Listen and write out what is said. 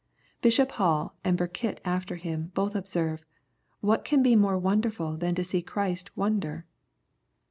Bishop Hall, and Burkitt after him, both observe, " What can be more wonderful than to see Christ wonder